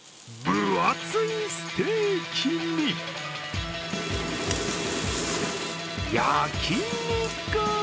分厚いステーキに焼き肉。